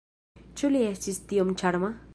Ĉu li estis tiom ĉarma?